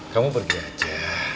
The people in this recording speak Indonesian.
kamu pergi aja